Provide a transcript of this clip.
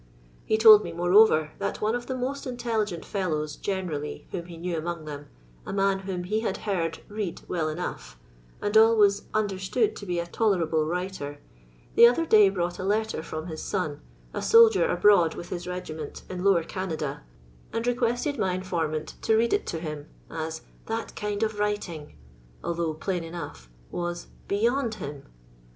He told me, more over, that one of the most intelligent fellows gene rally whom he knew among them, a man whom he had heard read well enough, and always un derstood to be a tolerable writer, the other day brought a letter from his son, a soldier abroad with his rfgifficut in Lower Canada, and requested my informant It read it to him, as "that kind of writing," although plain enough, waa "beyond him."